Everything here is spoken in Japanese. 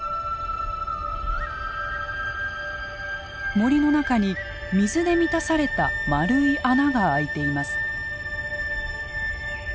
森の中に水で満たされた丸い穴が開いています。